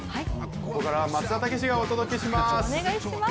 ここからは松田丈志がお届けします。